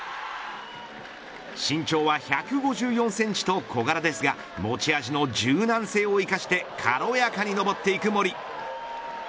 身長は１５４センチと小柄ですが持ち味の柔軟性を生かして軽やかに登っていく森。